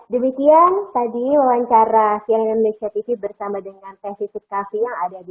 demikian tadi wawancara siang indonesia tv bersama dengan teh sip kaki yang ada di